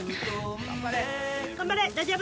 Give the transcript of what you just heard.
頑張れ！